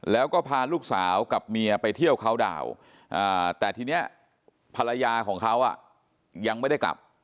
แล้วก็พาลูกสาวกับเมียไปเที่ยวเขาดาวน์แต่ทีนี้ภรรยาของเขายังไม่ได้กลับ